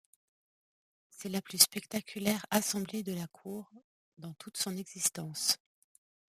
C'est la plus spectaculaire assemblée de la cour dans toute son existence.